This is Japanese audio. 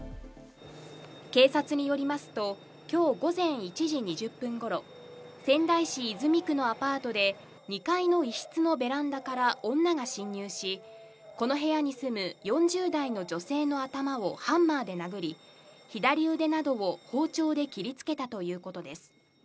警察によりますと今日午前１時２０分頃、仙台市泉区のアパートで２階の一室のベランダから女が侵入し、この部屋に住む４０代の女性の頭をハンマーで殴り、左腕などを包丁で切りつけたということです。